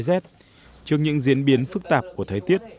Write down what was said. và trong những diễn biến phức tạp của thế tiết